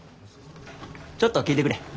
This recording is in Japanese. ちょっと聞いてくれ。